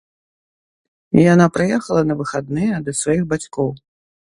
Яна прыехала на выхадныя да сваіх бацькоў.